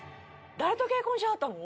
誰と結婚しはったの？